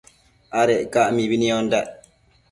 Adec ca mibi niondandac